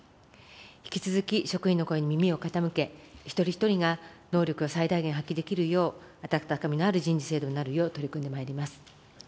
引き続き、職員の声に耳を傾け、一人一人が能力を最大限発揮できるよう、温かみのある人事制度になるよう取り組んでまいります。